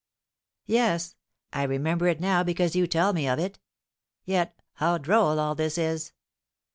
"Yes; I remember it now because you tell me of it. Yet, how droll all this is!